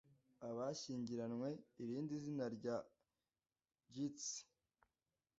Abashyingiranywe Irindi zina rya Geats